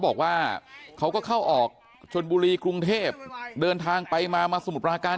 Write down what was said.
บอกว่าเขาก็เข้าออกชนบุรีกรุงเทพเดินทางไปมามาสมุทรปราการ